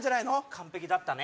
完璧だったね。